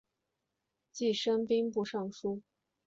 继升兵部尚书。